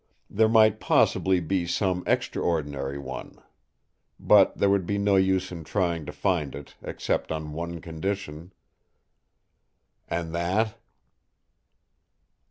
There might possibly be some extraordinary one. But there would be no use in trying to find it, except on one condition." "And that?"